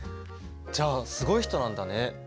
じゃあすごい人なんだね。